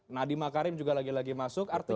nadima karim juga lagi lagi masuk ke bumn